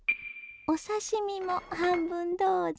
お刺身も半分どうぞ。